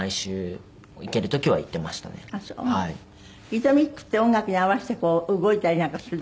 リトミックって音楽に合わせてこう動いたりなんかするでしょ？